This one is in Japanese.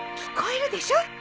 聞こえるでしょ。